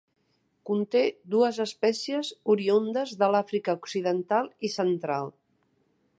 Conté dues espècies oriündes de l'Àfrica Occidental i Central.